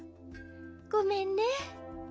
ごめんね。